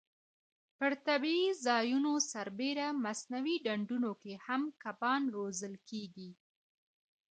پر طبیعي ځایونو سربېره مصنوعي ډنډونو کې هم کبان روزل کېږي.